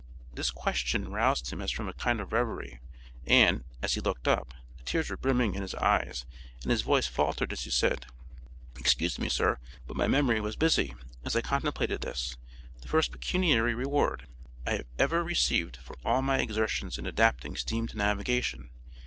This question roused him as from a kind of reverie, and, as he looked up, the tears were brimming in his eyes and his voice faltered as he said: 'Excuse me sir; but my memory was busy, as I contemplated this, the first pecuniary reward I have ever received for all my exertions in adapting steam to navigation.